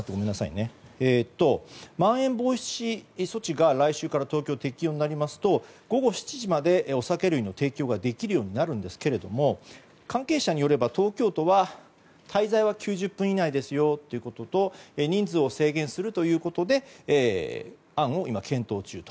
まん延防止措置が来週から東京が適用になりますと午後７時までお酒類の提供ができるようになるんですけども関係者によれば東京都は滞在は９０分以内ですよということと人数を制限するということで今、案を検討中と。